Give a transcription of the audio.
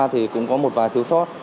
thì cũng có một vài thứ sót